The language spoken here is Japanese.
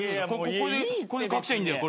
これで隠しゃいいんだよ